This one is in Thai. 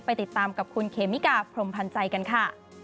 ไปติดตามกับคุณเขมิกาพรมพันธ์ใจกันค่ะ